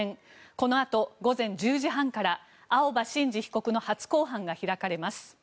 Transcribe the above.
このあと、午前１０時半から青葉真司被告の初公判が開かれます。